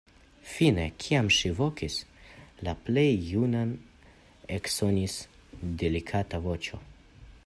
Fine, kiam ŝi vokis la plej junan, eksonis delikata voĉo.